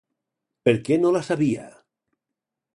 Per què no la sabia?